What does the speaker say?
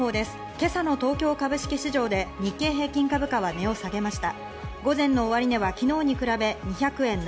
今朝の東京株式市場で日経平均株価は値を下げました。